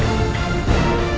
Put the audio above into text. manjay call me